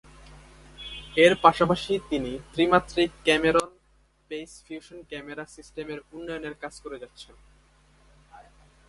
এর পাশাপাশি তিনি ত্রিমাত্রিক ক্যামেরন/পেইস ফিউশন ক্যামেরা সিস্টেমের উন্নয়নে কাজ করে যাচ্ছেন।